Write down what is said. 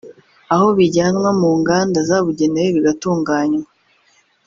aho bijyanwa mu nganda zabugenewe bigatunganywa